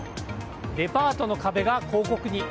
デパートの壁が広告に。